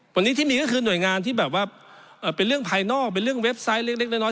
วันนี้ที่มีก็คือหน่วยงานที่แบบว่าเป็นเรื่องภายนอกเป็นเรื่องเว็บไซต์เรื่องเล็กน้อย